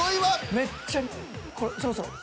めっちゃこれそろそろ。